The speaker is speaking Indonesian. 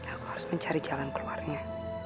aku harus mencari jalan keluarnya